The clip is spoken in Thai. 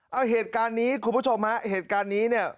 เอาเหตุการณ์นี้คุณผู้ชมฮะเหตุการณ์นี้เนี่ย